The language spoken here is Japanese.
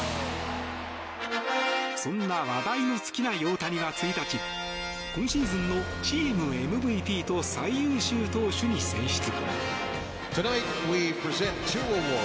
そんな話題に尽きない大谷は１日今シーズンのチームＭＶＰと最優秀投手に選出。